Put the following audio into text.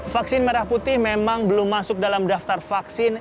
vaksin merah putih memang belum masuk dalam daftar vaksin